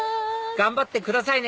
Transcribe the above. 頑張ってくださいね！